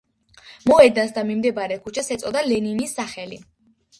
მოედანს და მიმდებარე ქუჩას ეწოდა ლენინის სახელი.